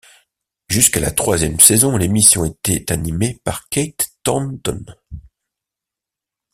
Jusqu'à la troisième saison, l'émission était animée par Kate Thornton.